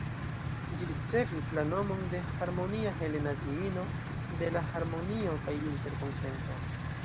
Ĝi ricevis la nomon de Harmonia, helena diino de la harmonio kaj interkonsento.